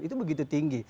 itu begitu tinggi